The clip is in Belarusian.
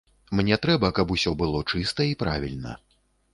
Мне трэба, каб усё было чыста і правільна.